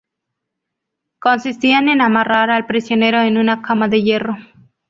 Consistían en amarrar al prisionero en una cama de hierro.